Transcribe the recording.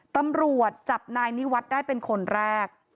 ตำรวจจับนายนิวัฒน์ได้เป็นคนแรก